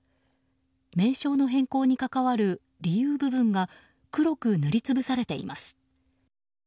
名称の変更に関わる理由部分が黒く塗り潰されています。